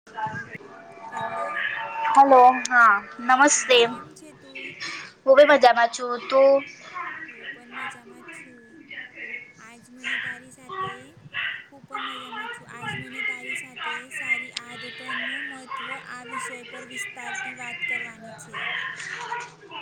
[unintelligible] Hello hello હા નમસ્તે કેમ છે તું હું ભી મજામાં છું તું હું પણ મજામાં છું આજ મને તારી સાથે હું પણ મજામાં છું આજ મને તારી સાથે સારી આદતનું મત મહત્વ આ વિષય પર વિસ્તારતી વાત કરવાની છે.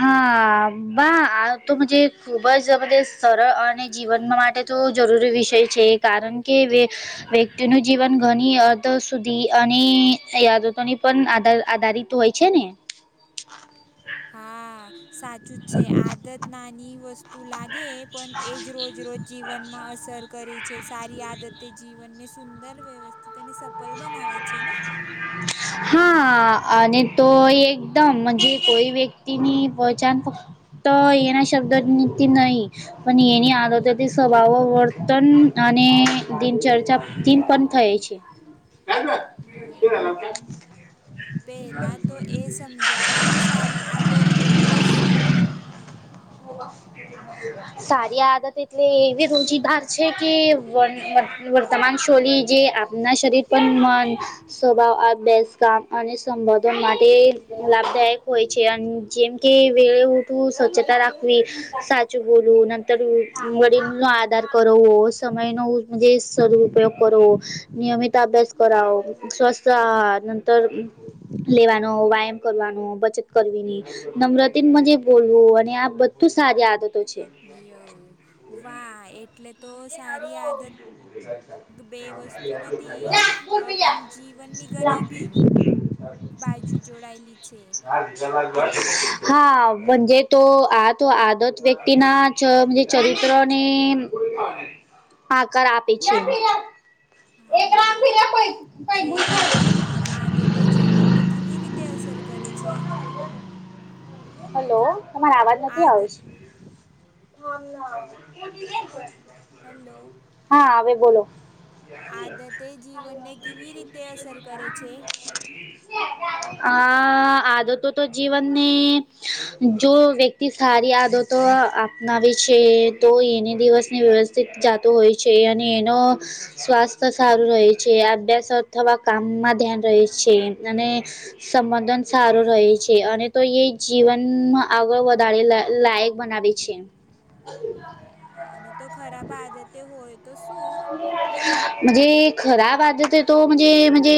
હા બા તો જે ખૂબ જ સરળ અને જીવન માટે તો જરૂરી વિષય છે કારણ કે વ્યક્તિનું જીવન ઘણી અર્ધસ્રૂધ અને આદતોની [unintelligible] આધારિત હોય છે ને હા સાચું જ છે આદત નાની વસ્તુ તું લાગે પણ એજ રોજ રોજ જીવનમાં અસર કરી છે સારી આદતે જીવનને સુંદર વ્યવસ્થિત અને સ હા અને તો એકદમ કોઈ વ્યક્તિની પચાન તો એના [unintelligible] નીતિ નહીં પણ એની આદથી સ્વભાવ વર્તન અને દિનચર્ચા થાય છે. પહેલાં તો એ સમજાવ કે સારી આદત એટલે શું સારી આદત એટલે એવી રોજીદાર છે કે વર્તમાન શોલી જે આપના શરીર પણ મન સ્વભાવ અભ્યાસ કામ અને સંબોધો માટે લાભદાયક હોય છે જેમ કે વે તું સ્વચ્છતા રાખવી સાચું બોલું નંતર વડીલનો આધાર કરવો સમયનોજ સર્ઉપયોગ કરવો નિયમિત અભ્યાસ કરવો સ્વસ્થ આ નંતર લેવાનો વ્યાયામ કરવાનો બચત કરવીની નમ્રતી મજ બોલવું અને આ બધું સારી આદતો છે. યવ વાહ એટલે તો સારી આદત બે વસ્તુ નથી અપ જજીવનની ઘણી બી બાજુ જોડાયેલી છે. હાજ તો આ તો આદત વ્યક્તિના ચ ચરિત્ર ની આકાર આપે છે હા જે વ [unintelligible] આદતે જીવનને કેવી રીતે અસર કરે છે. હ તમારે અવાજ નથી આદ આવ [unintelligible] હેલો હા આવે બોલો આદતે જીવનને કેવી રીતે અસર કરે છે. આ આદતો તો જીવનને જો વ્યક્તિ સારી આદતો તો અનાવે છે તો એને દિવસને વ્યવસ્થિત જાતો હોય છે અને એનો સ્વાસ્થ્ય સારું રહે છે અભ્યાસ અથવા કામમાં ધ્યાન રહે છે અને સંબંધન સારું રહે છે અને તો એ, જીવનમાં આગળ વધારે લાયક બનાવે છે. હા અને તો ખરાબ આદતે હોય તો શું? જે ખરાબ આદત તો મજે મજે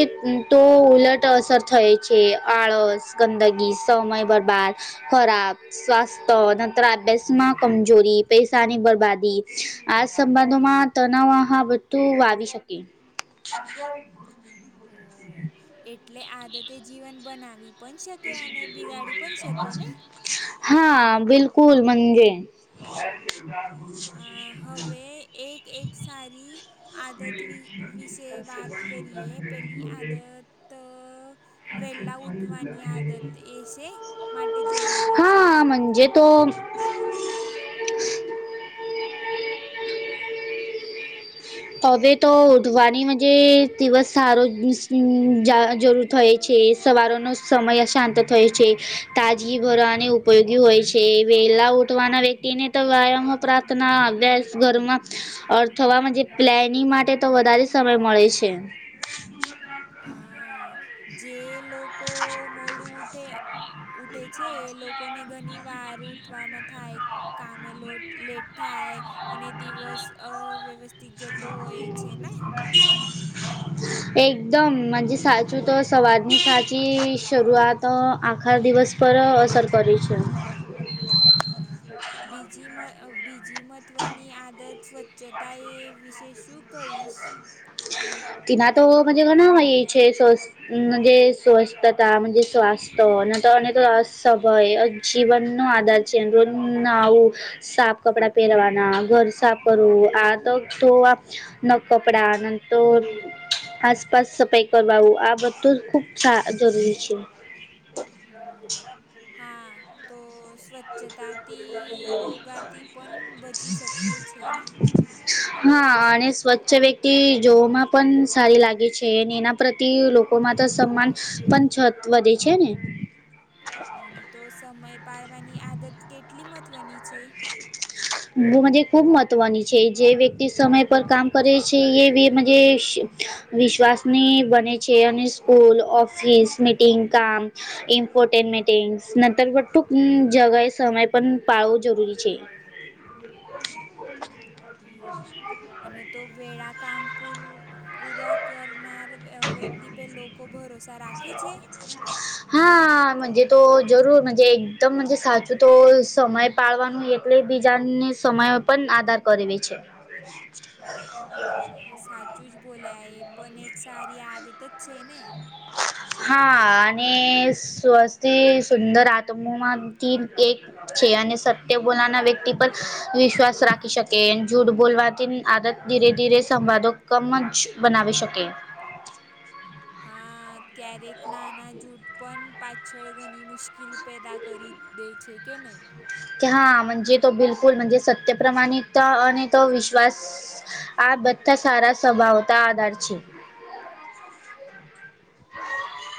તો ઉલટ અસર થાય છે. આળસ, ગંદગી, સમય બરબાદ, ખરાબ સ્વાસ્થ્ય, [unintelligible] સ માં કમજોરી પૈસાની બરબાદી, આ સંબંધોમાં, તનાવા હ બધું આવી શકે. ઓ એટલે આદતે જીવન બનાવી, પણ શકે અને, બિગાડી પણ શકે ને. હા બિલકુલ મજે, [unintelligible] હ, અ હવે એક એક સારી, આદત વિ વિશે વાત કરીએ, પેહલી આદત, વહેલા ઉઠવાની આદત એ છે, માટે જરૂરી છે. હા તો, હવે તો ઉઠવાની મજે દિવસ સારો, જા જરૂત હોય છે સવારોનો સ સમય શાંત થાય છે, તાજગી ભરવાની ઉપયોગી હોય છે, વેલા ઉઠવાના વ્યક્તિ ને તો વ્યાયામ પ્રાર્થના અભ્યાસ ઘરમાં અ થવા મજે, પ્લેનિંગ માટે તો વધારે સમય મળે છે. હા જે લોકો મોડું ઉઠે. ઉઠે છે, એ લોકોને ઘણી વાર ઉતવારમાં થાય, કામે લોટ લેટ થાય અને દિવસ વ્યવસ્ થિત જતો હોય છે ને, હ, એકદમ મજે સાચું તો સવારની સાચી શરૂઆત આ આખા દિવસ પર અસર કરે છે. હ બીજી મ બીજી મહત્વની આદત સ્વ્છ ચતા એ વિશે શું, કહીશ તિના તોજ ઘ નાવા એ છે, જે સ્વસ્થતા મજે સ્વાસ્થ ન તો અને તો, સમય જીવન નો આધાર છે એ રોજ ના આવું અને સાફ કપડાં પહેરવાનું, ના ઘર સાફ કરવું આ તો તો ન કપડા નંતર, આસપાસ સફાઈ કરવાવુ આ બધું ખુબ સા જરૂરી છે. હમ હા તો, સ્વચ્છતાથી રોગાથી પણ બચી શકીએ છે ને, હા અને સ્વચ્છ વ્યક્તિ જોવામાં પણ સારી લાગે છે અને એના પ્રતિ લો કો માં તો સમાન પણ છત વધે છે ને, અને તો સમય પાડવાની આદત કેટલી મહત્વની છે. મજે ખુબ મહત્વની છે જે વ્યક્તિ સમય પર કામ કરે, છે એ બી મજે, વિશ્વાસની બને છે, અને સ્કૂલ, ઓફિસ, મીટિંગ, કામ, ઈનપોર્ટેન મીટીંગસ નંતર બ ટુંક જગએ સમય પણ પાળું, જરૂરી છે. યું અને તો વેળા કામપુર પૂરા કરનાર વ અ વ્યક્તિ પે લોકો ભરોસા રાખે છે? હા, મંજે તો જરૂર મંજે તમ મંજે સાચું તો સમય પાળવાનું એટલે બીજાને સમયો પણ આધાર કરવે છે. હા, સાચું જ બોલ્યા એ પણ એક સારી આદત જ છે ને. હા, અને સ્વસ્થિ સુંદર આત્મોમાંથી એક છે અને સત્ય બોલાના વ્યક્તિ પર વિશ્વાસ રાખી શક કે જૂઠ બોલવાથી આદત ધીરે ધીરે સંવાદો કમ જ બનાવી શકે. હા, ક્યારેક નાના જૂઠ પણ પાછળ ઘણી મુશ્કિલ પેદા કરી દે છે કે ને? હા, મંજે તો બિલકુલ મંજે સત્ય પ્રમાણિતા અને તો વિશ્વાસ આ બધા સારા સ્વભાવતા આધાર છે.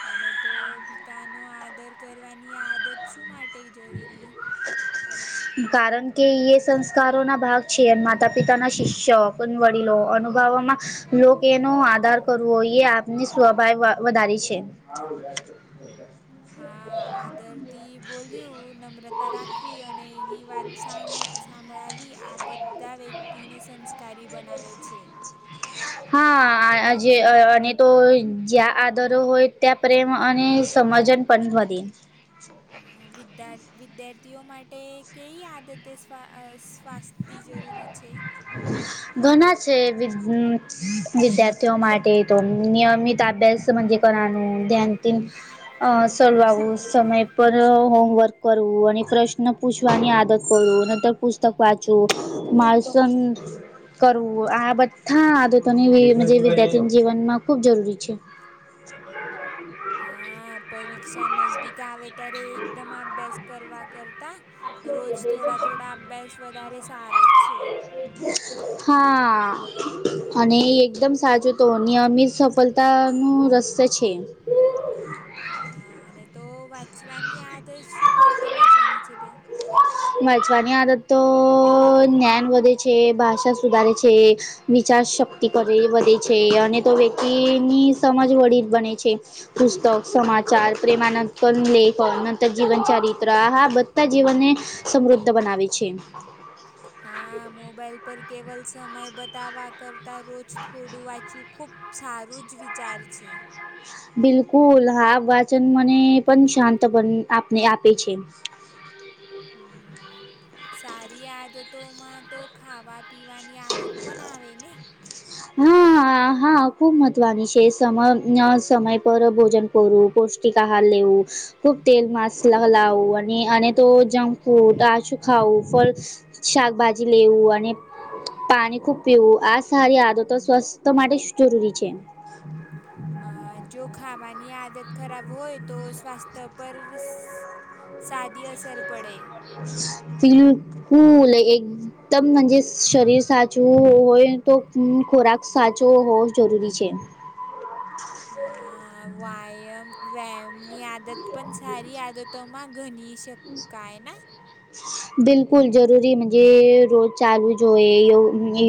અને તો પિતાનો આદર કરવાની આદત શું માટે જરૂરી? કારણ કે યે સંસ્કારોના ભાગ છે. માતા-પિતાના શિષ્ય ષ્ય પણ વડીલો અનુભાવોમાં લોકેનો આદર કરવો યે આપની સ્વભાવ વ-વધારે છે. હા, આદર થી બોલ્યું, નમ્રતા રાખવી અને એની વાત સાંભ-સાંભળા વી આ બધા વ્યક્તિને સંસ્કારી બનાવે છે. હા, આ-આ-આજે અ-અ-અને તો જ્યાં આદરો હોય ત્યાં પ્રેમ અને સમજન પણ વધે. હાન, વિદ્યા-વિદ્યાર્થીઓ માટે કઈ આદતે સ્વા અ સ્વાસ તી જરૂરી છે? ઘણા છે વિદ્ય વિદ્યાર્થીઓ માટે તો. નિયમિત અભ્યાસ મંજે કરવાનું, ધ્યાન થી અ સલવાવું, સમય પર હોમવર્ક કરવું અને પ્રશ્ન પૂછ વાની આદત કરું નતર પુસ્તક વાંચવું. માલસન કરવું આ બધા આદતોની વે મંજે વિદ્યાર્થીના જીવનમાં ખૂબ જરૂરી છે. હા, પરીક્ષા નજદીક આવે ત્યારે એકદમ અભ્યાસ કરવા કરતા રોજ થોડા થોડા અભ્યાસ વધારે સારો જ છે. હા અને એકદમ સાચો તો નિયમિત સફલ તા નું રહસ્ય છે. હા અને તો વાંચવાની આદ દત શું માટે મહત્વની છે બેન? વાંચવાની આદત તો જ્ઞાન વધે છે, ભાષા સુધારે છે. વિચાર શક્તિ કરે વધે છે અને તો વ્યક્તિની સમજ વળી બને છે. પુસ્તક, સમાચાર, પ્રેમાનંદન [unintelligible] તક જીવન ચરિત્ર આહા બધા જીવનને સમૃદ્ધ બનાવે છે. હા, મોબાાઈલ પર કેવલ સમય બતાવા કરતાં રોજ થોડું વાંચું ખૂબ સારું જ વિચાર છે. બિલકુલ હા વાચન મને પણ શાંત આપને આપે છે. સારી આદતોમાં તો ખાવા-પીવાની આદત પણ આવે ને? હા આ હા ખૂબ મત્વની સે સમ સમય પર ભોજન કરુ પૌષ્ટિક આહાર લેવું, તો તેલ, માસલા લાવું અને અને તો જંક ફૂડ આછું ખાવું ફલ શાકભાજી લેવું અને પાની ખૂબ, પીવું આ સારી આદતો સ્વસ્થ માટે સું જરૂરી છે. [inaudible] અ જો ખાવાની આદત ખરાબ હોય, તો સ્વાસ્થ્ય પર સાદી અસર પડે. પીલુ હું લઈ એક. ત્તમ મન્જે શરીર સાચુંઓઓ હોય, તો અમ્મ ખોરાક સાચવો હોવો જરૂરી છે. આ વાયમ વેય્મ ની આ દત પન સારી આદતોમાં ઘની શકાય ને, બિલકુલ જરૂરી મન્જે રોજ ચાલુ જ હોય, યો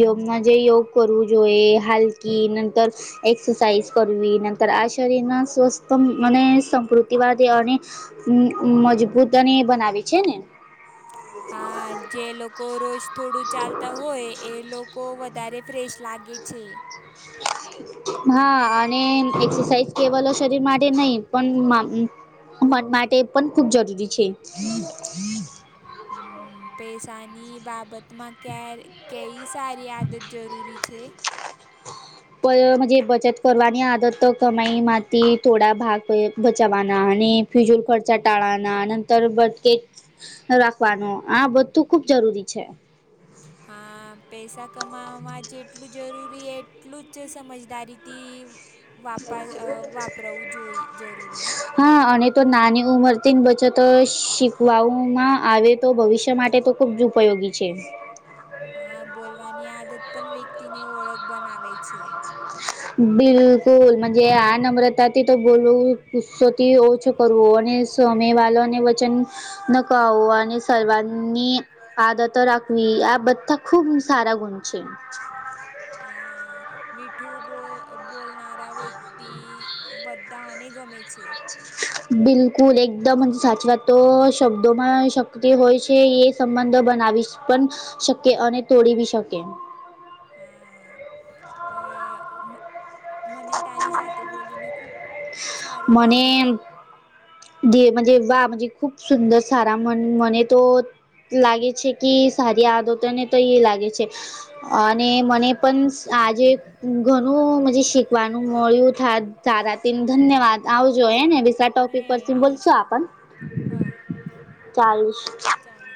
યોગમાં જે યોગ કરવું જોએ, હાલકી નંતર, એક્સસાઇઝ કરવી નન્તર આ શરીર ના સ્વસ્થં મને સમૃધ ઈવાદેવાય ને મ્મ મજબૂત અને બનાવે છેં ને. હા જે લોકો રોજ થોડું ચાલતા હોય, એ લોકો વધારે ફ્રેસ લાગે છે. હા અને એક્સસાઇઝ કેવલો શરીર માટે નઈ પન માં મન માટે પણ ખૂબ જરૂરી છે. હમ્મ, પેઈસાની બાબત માં કેર કેયી સારી આદત જરૂરી છે? બય મન્જે બચત કરવાની આદત તો, કમાઈ માંથી થોડા ભાગ કોય બચાવવાના અને ફિજૂલ ખર્ચા ટાળાના નંતર બટકે જ. રાખવાનું આ બધું ખુબ જરૂરી છે. હા, પેઈસા કમાઆમાં જેટલું જરૂરી એ એટલું જ સમજદારીથી વાપાઆ અ વાપરાવું જોઈ જરૂરી ને. હા, અને તો નાની ઉંમરથી જ બચત શીકવાવુંમાં આવે, તો ભવિષ્ય માટે તો ખૂબ જુ પયોગી છે. આ બોલવાની આદત પણ વ્યેક્તિને ઓળખ બનાવે છે. બિલકુલ, મજે આ નમ્રતાથી તો બોલું ગુસ્સોથી ઓછો કરવો અને સમે વાલોને વચન નકાવું અને સર્વાન્ની આદતો રાખવી આ બધ્ધા ખુંબ સારા ગુણ છે. હા, મી ઠું બો અ બોલનારા વ્યક્તિ બધ્ધા અને ગમે છે. બિલકુલ, એકદમ જ સાચવાતો શબ્દોમાં શક્તિ હોય છે એ સંબંધો બનાવીશ પણ શકે અને તોડી બી શકે. હા, અ મ મને તારી સાથે બોલીને, ખૂબ સારુ લાગે. જે મજે વાહ મજા ખૂબ સુંદર સારા મન મને તો લાગે છે, કે સારી આદતો ને તો એ લાગે છે. અને મને પન સ આજે ઘનું મજે શી વાનું મળ્યું થા તારા તન ધંન્યવાદ આવજો એ ને બેસા હે ટોપિક પરથી બોલશો આવજો આપન, હા ચાલ ચાલે